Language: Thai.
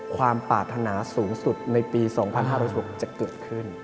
ความปรารถนาสูงสุดในปี๒๕๐๖จะเกิดขึ้น